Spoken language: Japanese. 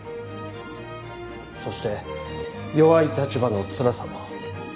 そして弱い立場のつらさも。